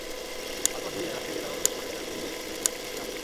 আলপথ দিয়ে হাঁটতে গিয়ে তারা অনুভব করে ভিজে ঘাসে শিশিরের আদর।